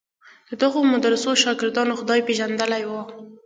د دغو مدرسو شاګردانو خدای پېژندلی و.